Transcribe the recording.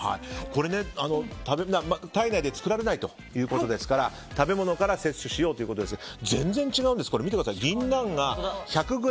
これ、体内で作られないということですから食べ物から摂取しようということですが全然違うんです。